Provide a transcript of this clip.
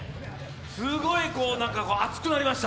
すごい熱くなりました。